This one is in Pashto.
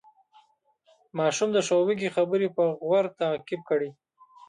ماشوم د ښوونکي خبرې په غور تعقیب کړې